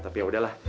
tapi yaudah lah